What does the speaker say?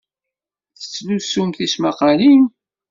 Tettlusum tismaqqalin?